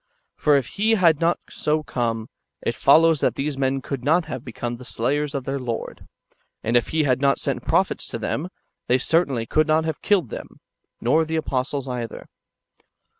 For if He had not so come, it follows that these men could not have become the slayers of their Lord ; and if He had not sent prophets to them, they certainly could not have killed them, nor the apostles either.